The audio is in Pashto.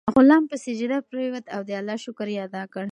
غلام په سجده پریووت او د الله شکر یې ادا کړ.